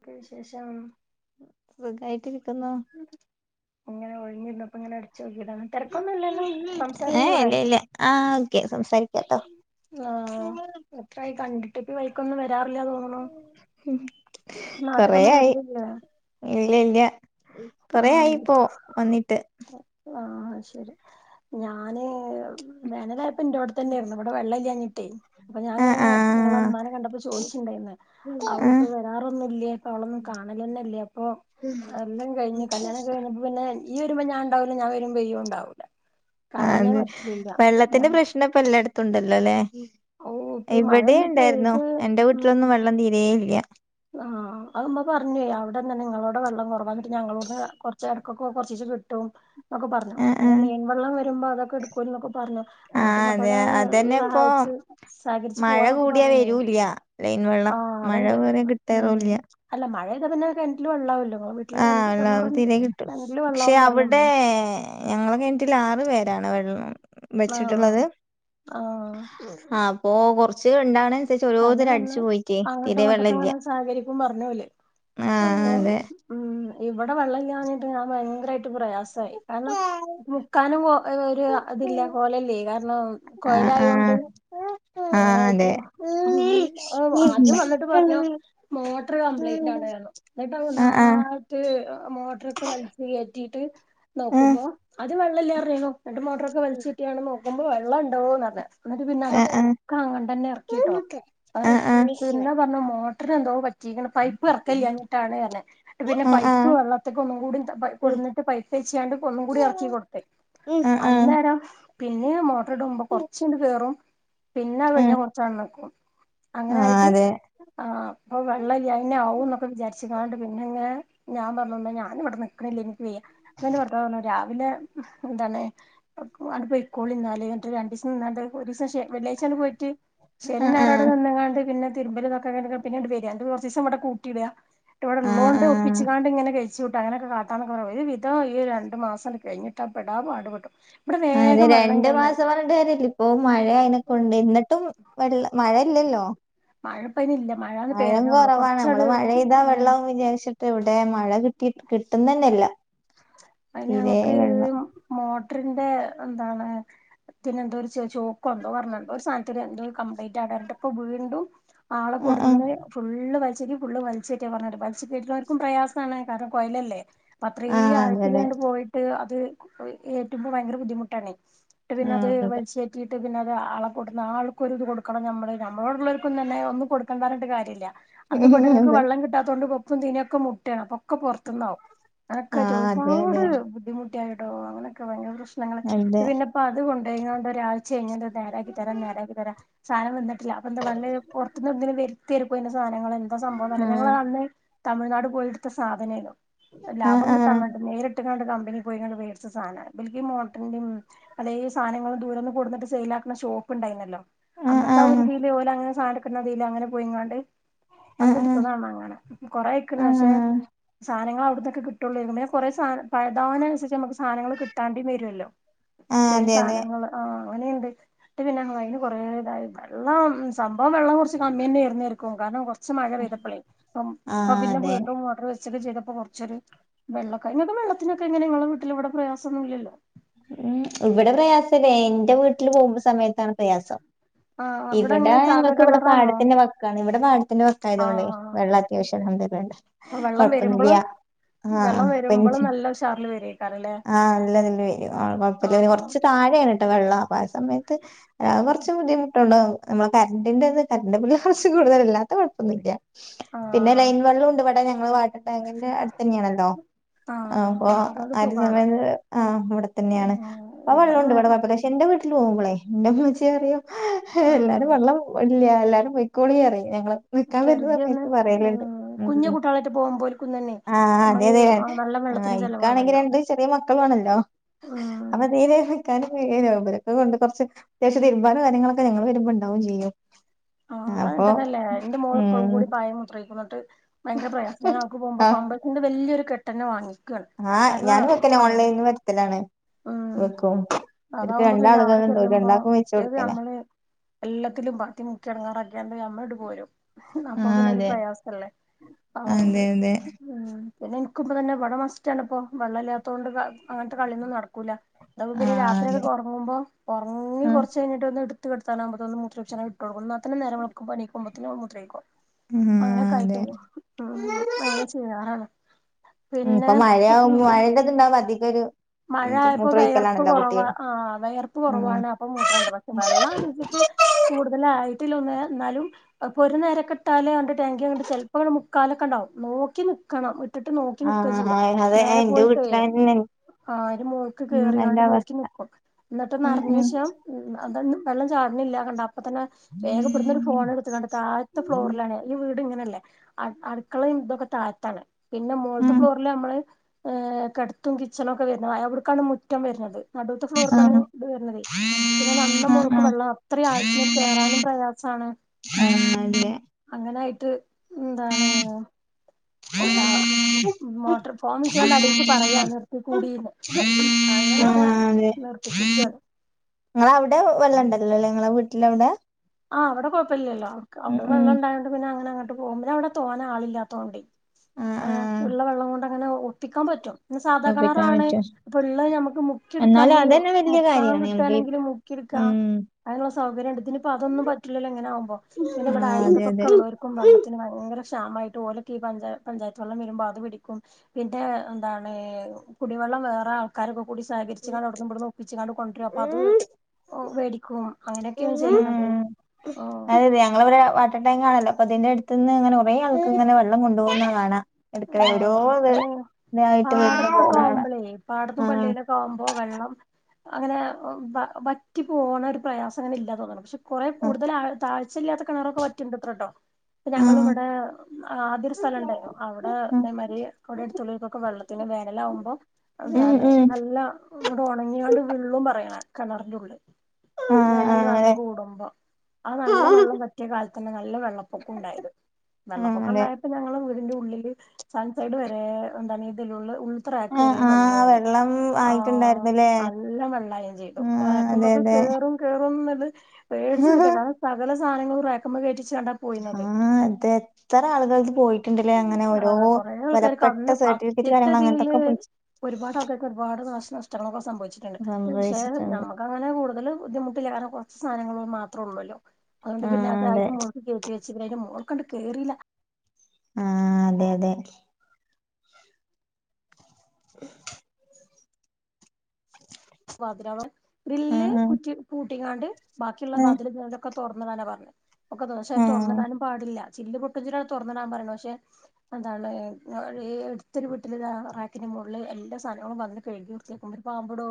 ക്കെ വിശേഷം? ക്കന്നു. ങ്ങനെ ഒഴിഞ്ഞിരുന്ന പ്പൊ ങ്ങനെ അടി ചോകിയതാണ്. തെരക്കൊന്നുല്ലല്ലോ? ഏ സംസാരിചൂടെ? ഇല്ല ഇല്ല ആ ഓക്കെ സംസാരിക്കാട്ടോ ആഹ എത്രായി കണ്ടിട്ട്. ഇപ്പ ഈ വഴക്കൊന്നും വ ഹി നാട്ട്ക്കൊന്നും കൊറൊയായി. വരലില്ലേ ഇല്ല ഇല്ല കൊറേയായിപ്പോ വന്നിട്ട്. ആഹ ശരി. ഞാന് വേനലായപ്പ ന്റോടെ തന്നൊര്ന്നു ഇവ്ടെ വെള്ളല്ലാഞ്ഞി ട്ടെ അപ്പൊ ആ ഞാനങ്ങനെ ആ ഇങ്ങളെ അമ്മാനെ കണ്ടപ്പോ ചോയിച്ചിണ്ടായിന്ന് ആ അവളിപ്പോ വരാറൊന്നും ല്യേ പ്പോ അവളൊന്നും അങ്ങനേന്നൂല്യ അപ്പോ ആ അ് കല്യാണം കഴിഞ്ഞപ്പോ പിന്നെ ഇയ്യ് വരുമ്പോ ഞാ ഉണ്ടാവില്ല ഞാ വരുമ്പോ ഇയ്യും ഉണ്ടാവില്ല ആ അതെ വെള്ളത്തിന്റെ പ്രശ്ന ഇപ്പൊ എല്ലായിടത്തും ഉണ്ടല്ലോ അല്ലെ ഓ ഇപ്പ ഈ ഇവിടേം മഴൊന്ന് ണ്ടായിരുന്നു പെയ്ത് എന്റെ വീട്ടിലൊന്നും വെള്ളം തീരേ ഇല്യ ആഹ അതുമ്മ പറഞ്ഞേ അവിടെന്നെ നിങ്ങളോട് വെള്ളം കുറവാക്കിട്ട് ഞങ്ങളോട് കുറച്ച് ഇടക്കൊക്കെ കുറച്ച് കിട്ടും എന്നൊക്കെ പറഞ്ഞു ആ ആ പിന്നെ ലീൻ വെള്ളം വരുമ്പോ അതൊക്കെ എടുക്കു എന്നൊക്കെ പറഞ്ഞു ആ അങ്ങോട്ടും ങ്ങോട്ടും അതെ ഒക്കെ അതന്നെ ഇപ്പൊ സഹായിച്ച് സഹകരിച്ച് മഴ പോവാന്നൊക്കെ കൂടിയാ പറഞ്ഞേ വരൂല്ല ലൈൻ വെള്ളം ആഹ് മഴ വേറെ കിട്ട [unintelligible] റൂല്യ മഴേയ്താ പിന്നെ കിണറ്റില് വെള്ളാവുല്ലോ പ്പോ വീട്ടിൽ കിണ ആല്ലോ കിണറും തീരെ കിട്ടും കിണറ്റില് ക്ഷേ വെള്ളാവും അവിടെ പറഞ്ഞുമ്മ ഞങ്ങളെ കിണറ്റിൽ ആറു പേരാണ് വെള്ളം ആഹ് വെച്ചിട്ടുള്ളത് ആഹ് ആ അപ്പൊ കൊറച്ച് കൊണ്ടാണ് അതല്ലേ പറഞ്ഞ അങ്ങോട്ടും ഇങ്ങോട്ടൊക്കെ ഇല്ല അങ്ങനെ സഹകരിക്കും പറഞ്ഞപോലെ ആഹ് അപ്പൊ അതെ ഉം ഇവിടെ വെള്ളം ല്യാഞ്ഞിട്ട് ഞാൻ ഭയങ്കരായിട്ട് പ്രയാസമായി കാരണം ആഹ് മുക്കാനും പോ ഒരു അതില്ല ഹോലല്ലേ കാരണം കൊയലായോണ്ട് ആഹ് ആഹ് അങ്ങനെയിട്ടതാ അതെ ആഹ് ഉം ആദ്യം വന്നിട്ട് പറഞ്ഞു മോട്ടർ കംപ്ലയിന്റ് ആണായിരുന്നു എന്നിട്ട് ആഹ് ആഹ് ആഹ് നാട്ട് മോട്ടറ് ഒക്കെ വലിച്ച ത്തീട്ട് നോക്കുമ്പോ അത് വെള്ളല്യ അറിയണൂ ന്നിട്ട് മോട്ടറൊക്കെ വലിച്ചുകേറ്റിയാണ് നോ [unintelligible] വെള്ളം ഉണ്ടോന്ന് പറഞ്ഞ് എന്നിട്ട് പിന്നെ ആഹ് ആഹ് ആഹ് ആഹ് ആഹ് അതൊക്കെ അങ്ങനെ തന്നെ ഇറക്കിയിട്ടോ ആ ആഹ് പിന്നെ പറഞ്ഞ് മോട്ടറിനെന്തോ പറ്റീക്കണ് പൈപ്പ് ഇറക്കല്ലാഞ്ഞിട്ടാണ് പറഞ്ഞ് പിന്നെ പൈപ്പ് വെള്ളത്തൊക്കെ ഒന്നും കൂടി കൊണ്ട്വന്നിട്ട് പൈപ്പ് വെച്ചാണ്ട് ഒന്നും കൂടി ഇറക്കി കൊടുത്തേ ആഹ് ആഹ് അന്നേരം പിന്നെ മോട്ടോറിടുമ്പോ കുറച്ചിങ്ങ് കയറും പിന്നെ കഴിഞ്ഞ ആഹ് കുറച്ചാണം നിക്കും അങ്ങനെ ആയിട്ട് അതെ ആഅ് ഇപ്പൊ വെള്ള ല്യാ പിന്നെ ആവുംന്നൊക്കെ വിചാരിച്ച് [unintelligible] ച്ാണ്ട് പിന്ന ഞാൻ ഞാൻ പറഞ്ഞ് ന്നാ ഞാൻ ഇവിടെ നിൽക്കണില്ലേ വയ്യ അപ്പോ എൻ്റെ ഭർത്താവ് പറഞ്ഞു രാ അെ എന്താണ് [unintelligible] അപ്പ ഇക്കോളി [unintelligible] നിന്നാല് രണ്ട ദിവസം നിന്നാണ്ട് ഒരു ദിവസം [unintelligible] വെള്ളിയാഴ്ച ങ്ങട് പോയിറ്റ് ശനിയും ആഹ് ഞായറും ആടെ ആഹ് നിന്നെങ്ങാണ്ട് പിന്നെ രുമ്പലക്ക [unintelligible] പിന്നെ വരിയാണ്ട് കുറച്ച് ദിവസം ഇവിടെ കൂട്ടീടുക ഇവ്ടെ ആഹ് ഉള്ളോണ്ട് ആഹ് ഒപ്പിച്ചാണ്ട് ഇങ്ങനെ കഴിച്ച ചൂട്ട് അങ്ങനൊക്കെ കാട്ടാന്നൊക്കെ ഒരു വിധം ഈ രണ്ട് മാസം കഴിഞ്ഞിട്ടാൻ പെടാപ്പാടു പെടും അതെ രണ്ട് മാസം പറഞ്ഞിട്ട കാര്ല്ല ഇപ്പൊ മഴ അയിതിനൊക്കുണ്ട് എന്നിട്ടും വെള്ളം മഴ ഇല്ലല്ലോ മഴ ഇപ്പയിനില്ല മഴാന്ന് മഴേം പെര്ണൊള്ളൂ കുറവാണ് നമ്മള് കൊറച്ചട് മഴെയ്താ ഉം വെള്ളാവും വിചാര്ച്ചിട്ട് ഇവിടെ മ മഴ കിട്ടി കിട്ടുന്നന്നെയില്ല അയിന് ഞമക്ക് മോ- - ട്ടറിൻ്റെ എന്താണ് അതിനെന്തോ ഒര് ചോക്ക എന്തോ പറഞ്ഞ് എന്തോ സാധനത്തിന് എന്തോ കംപ്ലയ്ൻ്റ് ആയിട്ട് [inaudible] ട്ടിപ്പ വീണ്ടും ആളെ ആഹ് ആഹ് കൊണ്ടുന്ന് ഫുള്ള് ഇവരീ ഫുള്ള് വലിച്ചേറ്റാൻ പറഞ്ഞോണ്ട് വലിച്ചുകേറ്റുന്നവർക്കും പ്രയാസമാണ് കാരണം കൊയലല്ലേ അപ്പ അത്രേം ആഹ് ആ അതെ ഇതിലെ അതെ അങ്ങട് പോയിട്ട് അത് ഏറ്റുമ്പോ ഭയങ്കര ബുദ്ധിമുട്ടാണ് ന്ന്ട്ട് പിന്നെ അത് ആഹ് അതെ വലിച്ചയറ്റിയിട്ട് ് പിന്നീട് ആളെക്കൂട്ടുന്ന ആൾക്ക് ഒരിത് കൊടുക്കണം ഞമ്മള് ഞമ്മളോടുള്ളവർക്കും തന്നെ ഒന്നും കൊടുക്കണ്ടാ പറഞ്ഞിട്ട് കാര്യമില്ല അന്ന് ഉം, പോയിട്ടങ്ങക്ക് അതെ വെള്ളം കിട്ടാത്തൊണ്ട് വെപ്പും തീനൊക്കെ മുട്ട്യാണ് അപ്പം ഒക്കെ പുറത്തു നിന്നാവും അതൊക്കെ വേ വേ കുട്ടിയായിടോ അങ്ങനൊക്കെ ഭയങ്കര പ്രശ്നങ്ങള് അത് അതെ പിന്നെപ്പോ അത് കൊണ്ടോയെങ്ങാണ്ടോ ച്ചി കഴിഞ്ഞിട്ട് നേരാക്കിത്തരാം നേരാക്കിത്തരാം സാധനം വന്നിട്ടില്ല അപ്പെന്താ വേണ്ടേ പുറത്തൂന്ന് [unintelligible] സാധനങ്ങൾ എന്താ സംഭവംന്നല്ല ആഹ് ഞങ്ങൾ അന്ന് തമിഴ്നാട് പോയെടുത്ത സാധനല്ലോ ആ ആ നേരിട്ടുകണ്ട് കമ്പനീപോയി ങ്ങള് വേടിച്ച സാധനവാ എനിക്കി മോട്ടോറിൻ്റേം ഈ സാധനങ്ങള് ദൂരേന്ന് കൊണ്ടന്നിട്ട് യിലാക്കുന്ന ഷോപ്പ് ഉണ്ടായിരുന്നല്ലോ ആഹ് അന്നത്തെ ആ ഒരു ആഹ് ഇതീല് ഓലെ അങ്ങനെ സാധനെടുക്കുന്ന ഇതീല് അങ്ങനെ പോയെങ്ങാണ്ട് അന്ന് ആഹ് ആഹ് എടുത്തതാണ് അങ്ങനെ കൊറെ അയക്കൂല്ലേ പക്ഷെ ആഹ് സാനങ്ങൾ അവിടത്തൊക്കെ കിട്ടുള്ളൂ ഇനിമേ കൊറെ സാന പഴേതാവന അനുസരിച്ച് നമുക്ക് സാനങ്ങൾ കിട്ടാണ്ടിവരോല്ലോ ആഹ് സെയിം അതെ അതെ സാനങ്ങള് ആ ഓനെവിടെ ട്ട് പിന്നെ അങ്ങ് കൊറേ അയിന് കൊറേ ഇതായി വെള്ളം സംഭവം വെള്ളം കൊറച്ച് കമ്മിന്നേർന്നേർക്കും കാരണം കൊ ച്ച് മഴ പെയ്തപ്പളേ ഇപ്പം ഇപ്പ ആഹ് പിന്നെ അതെ വീണ്ടും മോട്ടറ് വെച്ചെക്കെ ചെയ്തപ്പോ കൊർച്ചൊര് വെള്ളൊക്കെ ഇങ്ങക്ക് വെള്ളത്തിനൊക്കെ എങ്ങെനെ ഇങ്ങള് വീട്ട്ല് വടെ പ്രയാസൊന്നുല്ലല്ലോ? ഉം ഇവിടെ പ്രയാസല്ല എന്റെ വീട്ട്ല് പോകുമ്പോ സമയത്താണ് പ്രയാസം ആഹ് ഇവിടെ ഇവടെ എങ്ങനെ സാധാ ഞങ്ങക്ക് ഇവടെ കിണറാണോ പാടത്തിന്റെ വക്കാണ് ഇവടെ പാടത്തിന്റെ വക്കായതുകൊണ്ടേ ആഹ് വെള്ളം അത്യാവശ്യം അപ്പൊ [unintelligible] വെള്ളം വരുമ്പളും കൊഴപ്പൊന്നില്യാ ആഹ് വെള്ളം ആഹ് വരുമ്പളും ബെഞ്ചിൻ നല്ല ഉഷാറില് വരേക്കാരല്ലേ ആഹ് ഇല്ല ഇല്ലേ ആള് കൊഴപ്പല്ല ഒര് ആഹ് കൊർച്ച് താഴെണ് ട്ടൊ വെള്ളം അപ്പൊ ആ സമയത്ത് ആഹ് കൊർച്ച് ബുദ്ധിമുട്ട്ണ്ടാവും നമ്മള് കര്ന്റിന്റെ ഇത് കര്ന്റ് ബില്ല് കോർച്ച് കൂടുതലല്ലാത്ത കൊഴപ്പൊന്നുല്ലാ പിന്നെ ആഹ് ലൈൻ വെള്ളം ഇണ്ട് ഇവിടെ ഞങ്ങളെ വാ ടെങ്കിന്റെ അടുത്തന്നെണല്ലോ ആഹ് അപ്പൊ ആഹ് അതോണ്ട് ആര് സുഖാണ് സമയത്ത് ആഹ് അവിടെ തന്നെണ് പ്പ വെള്ളം ഇവിടെ ഉണ്ട് ഇവടെ കൊഴപ്പല്ല ക്ഷെ ഇന്റെ വീട്ടില് പോകുമ്പളെ ഇന്റെ ഉമ്മച്ചി പറയും ആ എല്ലാരും വെള്ളം ഇല്ല എല്ലാരും പൊയ്ക്കോളി അറിം ഞങ്ങള് നിക്കാൻ വെര്നെ ചെറുതി ഒന്ന് സമയത്ത് പറയല് ഇണ്ട് ഉം കുഞ്ഞു ഉം കുട്ടികളായിട്ട് പോകുമ്പോൽക്കും തന്നെ ആ നമ്മള് അതെ അതേ വെള്ളം ആഹ് വെള്ളത്തിന് ഇൻക്കാണെങ്കി ചെലവാണല്ലോ രണ്ട് ചെറിയ മക്കളു അണല്ലോ ഉം അപ്പ തീരെ ന്ന്ക്കാന് ഏഹ് കൊണ്ട് കൊർച്ച് അത്യാവശ്യം തിര്മ്പാനും കാര്യങ്ങളൊക്കെ ഞങ്ങള് വരുമ്പോ ഇണ്ടാവും ചെയ്യും ആഹ് അത് അങ്ങൻ അപ്പൊ തന്നെല്ലേ ഇന്റെ മോള് ഇപ്പളും ഉം കൂടി പായേ മൂത്രോഴിക്കും ട്ട് ഭയങ്കര പ്രയാസ ഞാനവൾക്ക് പോകുമ്പോ പമ്പയ്സിന്റെ വല്ല്യോരു കെട്ടന്നെ വാങ്ങി ആഹ് ഞാനും അങ്ങൻ തന്നെ ഓൺലൈന്ന് വരുത്തലാണ് ഉം വെക്കും ഇവര്ക്ക് അതാവുമ്പോ പിന്നെ അവിടെ രണ്ടാളതും [unintelligible] രണ്ടാക്കും വെച്ച് കൊടുക്കലാ എല്ലത്തിലും ബത്തി മുക്കി എടങ്ങേറാക്ക്യണ്ട് ഞമ്മളണ്ട് പോരും ആ അപ്പൊ പിന്നൊരു അതെ പ്രയാസല്ലേ അതുകൊണ്ട് അതെ അതെ ഉം പിന്നെ ഇൻക്കുപ്പ തന്നെ ഇവടെ മസ്റ്റാണിപ്പൊ വെള്ളല്ലാ ത്തോണ്ട് വ അങ്ങൻത്തെ കളിയൊന്നും നട്ക്കൂല ഇതാവുമ്പോ ആ പിന്നെ അതെ രാത്രിയൊക്കെ ഒർങ്ങുമ്പോ ഒർങ്ങി ആ കൊർച്ച് കഴ്ഞ്ട്ട് ഒന്ന് ഇട് ത്ത് ഇട്ത്താനാവുമ്പക്കും ഒന്ന് മൂത്ര ഒഴിച്ച് ഒന്ന് ഇട്ട് കൊടുക്കും എന്നാത്തന്നെ നേരം വെളുക്കുമ്പോ എണീക്കുമ്പോതിന് ഓള് മൂത്രൊഴിക്കും ഉം അങ്ങനൊക്കെ അതെ ആയിട്ടേ ഉം അങ്ങനെ ചെയ്യാറാണ് ഉം ഇപ്പ പിന്നെ ഉം മഴയാമ്പോ മഴേത്തക്കെ ഇണ്ടാവും അധിക ഒരു മഴ ഉം ഇപ്പോ വെയർപ്പ് മൂത്രൊഴിക്കലാണല്ലോ കൊറവാ കുട്ടികള് ആഹ് വെയർപ്പ് ഉം കൊറവാണ് അപ്പൊ മൂത്രണ്ട് പക്ഷെ വെള്ളം കു [unintelligible] കൂട്തലായ് ട്ടിലൊന്ന് എന്നാലും ഇപ്പ ഒരു നേരക്കിട്ടാലേ ണ്ട് ടാങ്കിങ്ങട്ട് ചെലപ്പങ്ങ്ട് മുക്കാലൊക്കെണ്ടാവും നോക്കി നി ക്കണം ഇട്ടിട്ട് നോക്കി നിക്ക ആഹ് ചെയ്യ ആഹ് അതെ നേരെ എന്റെ പോയിട്ടേ വീട്ടിലന്നെ അഹ് ഒരു മോക്ക് ഉം എന്റെ കേറിയാണ്ട് നോക്കി അവസ്ഥ നിക്കും എന്നിട്ട് ഉം ഉം നറഞ്ഞേഷം ഉം അത് വെള്ളം ച ചാടണില്ല കണ്ട അപ്പ തന്നെ വേഗം ഇബ്ട്ന്നൊരു ഫോൺ എടുത്ത് കണ്ട താഴത്ത ഫ്ലോറിലാണ് ഈ വീടിങ്ങനെൽ ലെ അട് അടുക്കളേം ഇതൊക്കെ താഴ്ത്താണ് പിന്നെ മോള്ത്തെ ഉം ഫ്ലോറില് നമ്മള് ഏഹ് കെടത്തും കിച്ചണും ഒക്കെ വര്ന്നെ അവിടുക്കാണ് മുറ്റം വരണത് നടുവത്തെ ഫ്ലോർക്കാണ് ആഹ് ഇത് വർണതെ പിന്നെ നന്ന ആഹ് മൊഴ്ക്ക് ആഹ് വെള്ളം അത്ര ആഴ്ത്തന്ന് കേറാനും പ്രയാസാണ് ആഹ് അതെ അങ്ങനയിട്ട് എന്താണ് എതാ മോട്റ് ഫോൺ വിളിച്ചണ്ടടുക്ക് പറയാ നിർത്തി കൂടീന്ന് അങ്ങനൊക്കെ ആഹ് നിർത്തിപ്പിക്കോ ഇങ്ങളവിടെ വെള്ളോണ്ടല്ലോല്ലേ ഇങ്ങള വീട്ടി ആഹ് അവിട കൊഴ്പ്പില്ലല്ലോ അവർക്ക് ഉം അവിടെ ഉം വെള്ളംണ്ടായോണ്ട് പിന്നെ അങ്ങനെ അങ്ങട്ട് പോമ്പ ഞ വിടെ തോനാ ആളില്ലാത്തോണ്ടേ ആഹ് ഉള്ള വെള്ളം കൊണ്ട് അങ്ങനെ ഒ ഒപ്പിക്കാൻ പറ്റും ഇ [unintelligible] സാദാ ഒപ്പിക്കാൻ കെണറാണേ പറ്റും വെള്ള ഞമ്മക്ക് എന്നാലും മുക്യെടുക്കാഞ്യോ അതന്നെ വല്യ മുക്കാൻ കാര്യാണ് നമുക്ക് ഈ കിട്ടേണെങ്കില് മുക്കി എട് ക്കാ ഉം അയിനൊള്ള സൗകര്യണ്ട് ഇതി പ്പ അതൊന്നും പറ്റില്ലല്ലോ ഇങ്ങനാമ്പോ പിന്നെ ഇബിട ആഹ് അതെ അതെ അയലക്കത്തൊക്കെള്ളോർക്കും വെള്ളത്തിന് ഭയ ങ്കര ക്ഷാമായിട്ട് ഓലൊക്ക ഈ പഞ്ചായ പഞ്ചായത്ത് വെള്ളം വരുമ്പ അത് പിടിക്കും പിന്നെ എന്താണ് കുടിവെള്ളം വേറെ ആൾക്കാരൊക്കെ കൂടി സേഖരിച്ചിങ്ങാണ്ട് അവിടുന്നും ഇവിടുന്നും ഒപ്പിച്ച് എങ്ങാണ്ട് കൊണ്ടുവരും അപ്പൊ അത് ഉ മേടിക്കും അങ്ങനെയൊക്കെയാണ് ചെയ്യുന്നത് ഉം ആഹ് അതെയതെ ഞങ്ങൾ ഇവിടെ വാട്ടർ ടാങ്ക് ആണല്ലോ അപ്പൊ അതിന്റെ ത്ത്ന്ന് ഇങ്ങനെ കുറെേ ആൾക്ക് ഇങ്ങനെ വെള്ളം കൊണ്ടുപോകുന്നത് കാണാം എടുക്കണെ ഓരോ ആഹ് അയിന് ഇതായിട്ട് വീണ് പാടത്തൊക്കെ പോണ കാണാം ആവുമ്പോളേ പാടത്തും ആഹ് പള്ളിയിലൊക്കെ ആവുമ്പോ വെള്ളം അങ്ങനെ വ വറ്റി പോവന്ന ഒരു പ്രയാസം അങ്ങനെ ഇല്ലാ തോന്നണ് പക്ഷെ കുറെ ആഹ് കൂടുതൽ താഴ് ശ്യല്ലാത്ത കിണറൊക്കെ വറ്റുണ്ടത്രേട്ടോ ഞങ്ങൾ ആഹ് ഇവിടെ ആദ്യം ഒരു സ്ഥലമുണ്ടായിരുന്നു അവിടെ ആഹ് ഇതേമരി കുടയെടുത്തുള്ളിക്കൊക്കെ വെള്ളത്തിന് വേനലവുമ്പോ ഉം എന്താണ് ഉം നല്ല അങ്ങിട് ഉണങ്ങിയോണ്ട് വിള്ളും പറയണ കിണറിന്റെ ഉള്ള് ആഹ് വേനല് ആഹ് നല്ലം അതെ കൂടുമ്പോ ആ നല്ല വെള്ളം വറ്റിയ കാലത്തന്നെ നല്ല വെള്ളപ്പൊക്കം ഉണ്ടായത് ആഹ് വെള്ളപ്പൊക്കം അതെ ഉണ്ടായപ്പോ ഞങ്ങള് വീടിന്റെ ഉള്ളില് സൺഷേഡ് വരെ എന്താണ് ഇതില ഉള്ള ഇത്രാക്ക് ആഹ് വരെ ആഹ് വെള്ളായുള്ളൂ വെള്ളം ആ ആയിട്ടുണ്ടായിരുന്നുല്ലേ നല്ല വെള്ളായേം ചെയ്തു ആഹ് റാക്മ അതെ അതെ കേറും കേറും എന്ന്ത് പേടിച്ച് ആഹ് നിക്ക കാരണം സകല സാനങ്ങളും റാക്കുമ്മേ കേറ്റി ആഹ ഇത് എത്ര ആളുകളുടെ പോയി ണ്ടേ അങ്ങനെ ഓരോ ആഹ് കൊറേ ആൾക്കാർക്ക് വിലപ്പെട്ട അന്ന് സർട്ടിഫിക്കറ്റ് കാര്യങ്ങളൾ ഫസ്റ്റ്ത്തതീല് അങ്ങനെത്തോക്കെ പോയി ഒരുപാട് ആൾക്കൊക്കെ ഒരുപാട് നാശനഷ്ടങ്ങളൊക്കെ സംഭവിച്ചിട്ടുണ്ട് ക്ഷെ സംഭവിച്ചിട്ടുണ്ട് നമുക്ക് അങ്ങനെ കൂടുതല് ബുദ്ധിമുട്ടില്ല കാരണം കുറച്ച് സാധനങ്ങള് മാത്രേ ഉള്ളല്ലോ അതുകൊണ്ട് ആഹ് പിന്നെയത് അതെ അതിൻ്റെ മുകളിലേക്ക് കേറ്റി വെ ഇവനായിന്റെ മോൾക്കണ്ട് കേറില്ല ആഹ്. അതെ അതെ [unintelligible] വാതിരാളോ ഗ്രിൽ ആഹ് കുറ്റിയി പൂട്ടിങ്ങാണ്ട് ബാക്കിയുള്ള ആഹ് വാതിലും ജനലൊക്കെ തുറന്നിടാനാ പറഞ്ഞേ ഒക്കെ ദോശ ആഹ് തുറന്നിടാനും പാടില്ല ചില്ല് പൊട്ടുഞ്ചിര തുറന്നടാൻ പറയണെ പക്ഷെ എന്താണ് ഈയടുത്തൊരു വീട്ടില് റാ റാക്കി മുള്ളെ എല്ലാസാധനവും വന്ന് കഴുകി വൃത്തിയാക്കുമ്പ ഒരു പാമ്പെടോ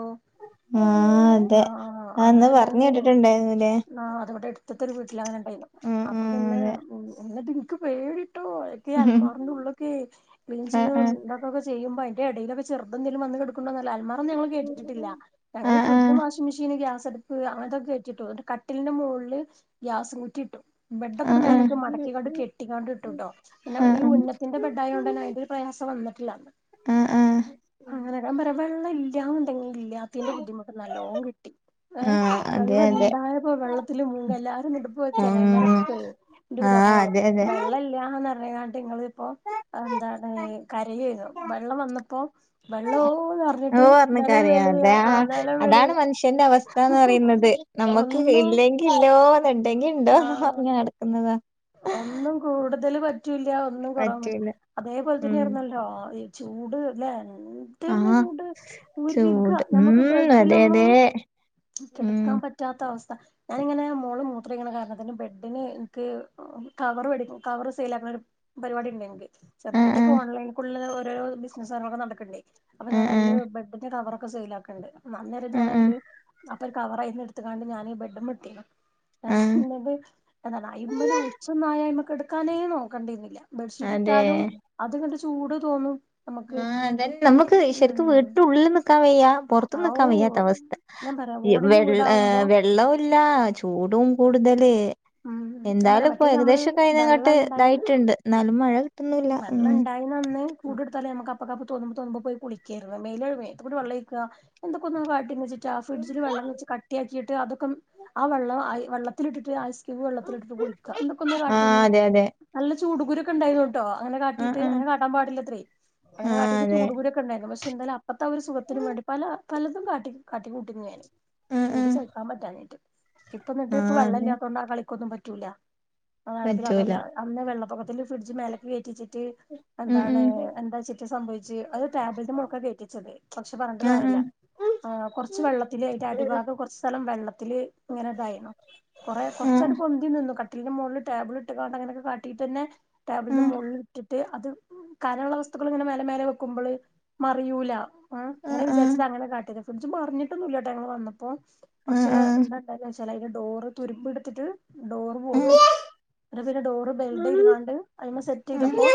ആ അതെ ആഹ് അങ്ങനെ അന്ന് പറഞ്ഞ് കേട്ടിട്ടുണ്ടായിരുന്നില്ലേ ഇത്തത്തൊരു വീട്ടിലങ്ങനെണ്ടായിരുന്നു അപ്പൊ പിന്നെ മ് എന്നിട്ട് എനിക്ക് പേടി ട്ടോ ക്കെ അൽമാറിന്റെ ഉള്ളൊക്കെ ക്ലീൻ ചെയ്യ അതെ ഇണ്ടാക്കൊക്കെ ചെയ്യുമ്പോ എ എടയിലൊക്കെ ചെറുത് എന്തെലും വന്നുകിടക്കൊണ്ടൊന്നല്ലേ അലമാരയൊന്നും ഞങ്ങള് കേറ്റിയിട്ടിട്ടില്ല ഞങ്ങള് ആഹ് ഫ്രിഡ്ജും വാഷിം മെഷീൻ ഗ്യാസടുപ്പ് അങ്ങനെത്തൊക്കെ കേറ്റിയിട്ടു ന്നിട്ട് കട്ടിലിന്റെ മുകളില് ഗ്യാസും കുറ്റിയിട്ടു ബെഡ് ഒക്കെത് ആഹ് ആഹ് ആഹ് ആഹ് ആഹ് ആഹ് മേലക്ക് മടക്കിക്കൊണ്ട് കെട്ടിക്കൊണ്ടിട്ടു ട്ടോ പിന്നെ ഈ ഉന്നത്തിന്റെ ബെഡ് ആയുണ്ടെന്നെ അതിന്റെ രു പ്രയാസം വന്നിട്ടില്ല ആഹ് ആഹ് ആഹ് അങ്ങനെ അന്നേരം വെള്ളം ഇല്ലാന്നണ്ടെങ്കില് ന്റെ ബുദ്ധിമുട്ട് നല്ലോം കിട്ടി എ ആഹ് അതെ വെള്ളം അതെ ഇണ്ടായപ്പോ വെള്ളത്തില് മുങേ എല്ലാരും ഉം ചെങ്ങായിമാരൊക്കെ എന്റെ ആഹ് [unintelligible] അതെ അതെ വെള്ള ഇല്ലാന്നറിയാണ്ട് നിങ്ങളിപ്പോ എന്താണ് കരയെനു വെള്ളം വന്നപ്പോ വെള്ളവും... ന്ന് പറഞ്ഞിട്ട് നിലം വെളി ആ അതാണ് മനുഷ്യന്റെ അവസ്ഥ എന്ന് പറയുന്നത് നമ്മുക്ക് ഒന്നും ഇല്ലെങ്കിൽ ഇല്ലോ ഉണ്ടെങ്കി ഇണ്ട് ആഹ് ഞ്ഞ് നടക്കുന്നുന്നതാ ഒന്നും കൂടുതല് പറ്റൂല്ല ഒന്നും കുറവും പറ്റൂല അതേപോലെ ഉം തന്നെയായിരുന്നാല്ലോ ആവിയും ചൂട് ല്ലേ ആ രുന്നു ചൂട് ഉരുക ചൂട് നമ്മുക്ക് ഉം അതെ അതെ ബെഡിലൊന്നും ഉം കിടക്കാൻ പറ്റാത്ത അവസ്ഥ ഞാനിങ്ങനെ മോള് മൂത്രൊഴിക്കണ കാരണത്തിന് ബെഡിന് എനിക്ക് ഓം കവറ് വേടിക്കു കവറ് സെയിൽ ആക്കുന്ന ഒരു പരിപാടി ഉണ്ട് ഞങ്ങക്ക് ആ ആ ചെതിക്കെ ഓൺലൈൻ ക്കുള്ളുകൾ ഓരോരോ ബിസിനസ്സ് നല്ലോണം നടക്കണ്ടെ അപ്പൊ ആ ഞാൻ ആ അയില് ബെഡിന്റെ കവറൊക്കെ സെയിൽ ആക്കണണ്ട് അ അന്നേരം ആ ഞാൻ ആ അയില് ഒരു കവർ അയ്‌ന്ന് എടുത്തുകൊണ്ട് ഞാന് ബെഡ്മ്മെ ഇട്ടെനു ആ എന്നിട്ട് എന്താണ് [unintelligible] ായ്മക്ക് എടുക്കാനേ നോക്കണ്ടിരുന്നില്ല ബെഡ്ഷീറ്റ് അതെ ഇട്ടാലും അതിനൊരു ചൂട് തോന്നും നമുക്ക് ആ അതന്നെ നമുക്ക് ശരിക്കും ഉം വീട്ടിനുള്ളിൽ നിൽക്കാൻ വയ്യാ പുറത്തും ഔ നിക്കാ വയ്യാത്ത അവസ്ഥ ഞാൻ പറയാ ഇ ഓടിന്റെ വെള്ള ഏ വീടാവുമ്പോ വെള്ളവുംഇല്ല ചൂടും കൂടുതല് ഉം ഞാൻ പറയാ എന്തായാലും ഇപ്പോ മറ്റേത് നമ്മള് ഏകദേശമൊക്കെ വെള്ളം അതിനേക്കാട്ടിലും ഉണ്ടായന്ന് ഇതായിട്ടുണ്ട് എന്നാലും മഴ കിട്ടുന്നുല്ല വെള്ളം ഉം ഉണ്ടായിരുന്നന്ന് കൂട് എടുത്താലേ നമക്ക് അപ്പോ തോന്നുമ്പോ തോന്നുമ്പോ പോയി കുളിക്കായിരുന്നു മേലുകഴുകെയിരുന്നു ഇത്തിക്കൂടി വെള്ളമൊഴിക്കുക എന്തൊക്കൊ കാട്ടി റ്റാ ഫ്രിഡ്ജില് വെള്ളം വെച്ച് കട്ടിയാക്കിയിട്ട് അതൊക്കെ ആ വെള്ളം ആയ് വെള്ളത്തിലിട്ടിട്ട് ക്യു വെള്ളത്തിലിട്ടിട്ട് കുളിക്ക എന്നൊക്കെ ഒരു ആ കാട്ടീന്ന് അതെ അതെ നല്ല ചൂടുകൂരുക്കെണ്ടായിന്ട്ടോ അങ്ങനെ ആ കാട്ടീട്ട് ആ അങ്ങനെ കാട്ടാൻ പാടില്ലത്രെ ആ അങ്ങനെ കാട്ടീട്ട് അതെ ചൂടൂകുരുവൊക്കെണ്ടാരുന്നു പക്ഷേ ഇന്തല അത്ത ഒരു സുഖത്തിനന് വേണ്ടി പല പലതും കാട്ടി കാട്ടി കൂട്ടിക്കുന്നു ഞാൻ ആ ആ ചൂട് സഹിക്കാൻ പറ്റാനീട്ട് ഇപ്പ എന്നിട്ട് ആ ഇപ്പൊ അതെ വെള്ളമല്ലാത്ത കൊണ്ട് ആ കളിക്കൊന്നും പറ്റൂല പറ്റൂല അതല്ല അന്ന് വെള്ളപ്പൊക്കത്തിൽ ഫ്രിഡ്ജ് മേലക്ക വേറ്റിച്ചിട്ട് ഉം എന്താണ് ഉം എന്താ ചിറ്റ സംഭവിച്ചു അത് ടാബ്ലറ്റ് മൂക്കൊക്കെ കയറ്റിച്ചത് പക്ഷെ പറഞ്ഞണ്ട ആ കാര്യമല്ല ആ് കുറച്ച് വെള്ളത്തില് അതിന്റെ ആ അടിഭാഗം കുറച്ച് സ്ഥലം വെള്ളത്തില് ഇങ്ങനെ ഇതായിരുന്നു കൊറെ കുറച്ച് അങ്ങനെ ആഹ് പൊന്തി നിന്നു കട്ടിന്റെ മുകളിൽ ടേബിൾ ഇട്ടുകാണ്ട് അങ്ങനെക്കെ കാട്ടീട്ട തന്നെടബിന്റെ മുകളിൽ ഇട്ടിട്ട് അത് കാരാനുള്ള വസ്തുക്കൾ ഇങ്ങനെ മല മേലെ വെക്കുമ്പോള് മറിയൂല ആ് അങ്ങന വിചാരിച്ചിട്ട അങ്ങെ കാട്ടിയത് ഫ്രഡ്ജ് മറിഞ്ഞിട്ടൊന്നുമല്ലാട്ടോ ഞങ്ങൾ വന്നപ്പോ പക്ഷെ എന്ത അതെ ചില അതിന്റെ ഡോറ് തുരുമ്പ എടുത്തിട്ട് ഡോറ് പോന്നു ഉം പി പിന്നെ ഡോറ് ബെൽഡ് ചെയ്ത് കാണ്ട് സെറ്റ് ചെയ്തപ്പൊ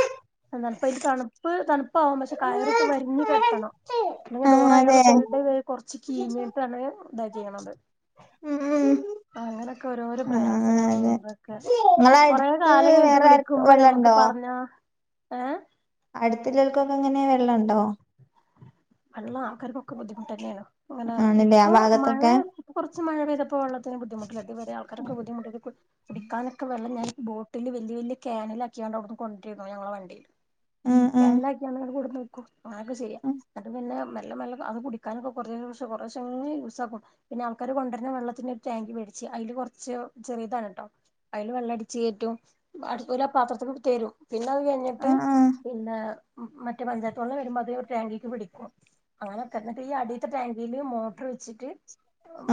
തണുപ്പ ഇത് തണുപ്പ് തണുപ്പവാം പക്ഷെ കയറിട്ട് വ രിഞ്ഞു കെട്ടണം നി ആഹ് ഡോറ അയാൾ അതെ ബെൽഡ് കുറച്ച് കീമീട്ടാണ് ഇ അങ്ങനെയൊക്കെ ഓരോരോ പ്രയാസങ്ങള ഉ നിങ്ങളെ കൊറ അടുത്ത് കാലം കണ്ട് വേറെ ആർക്ക് വിളിക്കുമ്പോ നമ്മുക്ക് പറഞ്ഞ ഏ അടുത്തിൾക്കൊക്കെ എങ്ങനെയ വെള്ളംമു ണ്ടോ അ ആക്കക്കൊക്കെുധിമുട്ട് തന്നെയാണ് അങ്ങനെ ആണല്ലേ ആ ഇപ്പോ മഴ ഭാഗത്തൊക്കെ കുറച്ച് മഴ പെയതപ്പോ ഉള്ളതിന് ബുദ്ധിമുട്ടില്ല ആൾക്കൊക്കെ ബുദ്ധിമുട്ട കുടിക്കാനൊക്കെള്ള വെള്ളം ബോട്ടില് വലിയ വലിയ കാനിലാക്കിയണ്ട് അവിടുന്ന് കൊണ്ടിുന്നു ഞങ്ങളെ വണ്ടിയില് ഉം ഉം കാനിലാക്കിയിവിടെ കൊണ്ടുവെക്കും അങ്ങനെ യൊക്കെചെയ്യ അത് പിന്നെ എല്ലല്ല അത് കുടിക്കാനൊക്ക കുറ കുറ യൂസ്സാക്കും പിന്നെ ആൾക്കാര് കൊണ്ടുവരുന്ന വെള്ളത്തിന്റെ ഒരു ടാങ്ക് മേടിച്ചു അതില് കൊറച്ച് ചെറിയ ഇതാണ് കേട്ടോ അതിൽ വെള്ളംടിച്ച കയറ്റും അതുപോലെ ആ പാത്രത്തി തരും പിന്നെ അത് കഴിഞ്ഞിട്ട് ആഹ് ആഹ് മറ്റ പഞ്ചായതുവെള്ളം വരുമ്പങ്കക്ക് പിടിക്കുംനെ പ്പ ഈ അടിയത്ത ടാങ്കയില് മോട്ടർ വെച്ചിട്ട്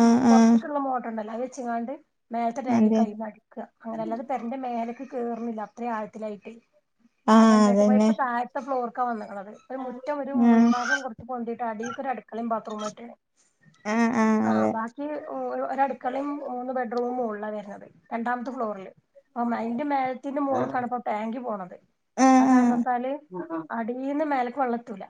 ആഹ് ആഹ് പുറത്തക്കുള്ള മോട്ടർുണ്ടല്ലോ ങ്ങാണ്ട് മേലത്തെ അതെ ടാങ്കിൽനിന്നും അടുക്കുക അങ്ങന അല്ലാെ പെരന്റെ മേലക്ക് കേറുന്നില്ല അത്ര ആഴത്തിലായിട്ട് ആഹ അതന്നെ അടുത്ത ഫ്ലോർക്ക വന്നങ്ങളത് ഒരു മുറ്റം ഒരു ആഹ് മുൻഭാഗം കുറച്ച് പൊന്തീ ട്ട് അടൊ ഒരു അടുക്കളയും ബാത്റൂം മറ്റ് ആഹ് ആഹ് ആ അതെ ബാക്കി ഒരടുക്കളയും മൂന്ന് ബെഡ്റൂമും മോളില വരുന്നത് രണ്ടാമത്തെ ഫ്ലോറിില് അ അതിന്റെ മേലത്തിന്റെ മോൾക്കാണ് ഇപ്പോൊ ടാങ്ക് പോണത് ആഹ് ആ കാരണം ആഹ് എന്നാല് ആഹ് അടീന്ന് മേലക്ക വെള്ളത്തൂല